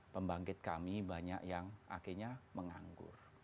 pembangkit kami banyak yang akhirnya menganggur